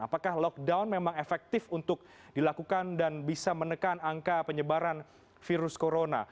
apakah lockdown memang efektif untuk dilakukan dan bisa menekan angka penyebaran virus corona